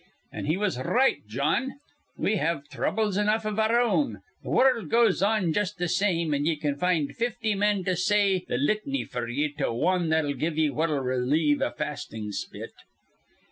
An' he was r right, Jawn. We have throubles enough iv our own. Th' wurruld goes on just th' same, an' ye can find fifty men to say th' lit'ny f'r ye to wan that'll give ye what'll relieve a fastin' spit.